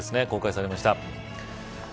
公開されました。